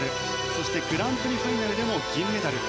そしてグランプリファイナルでも銀メダル。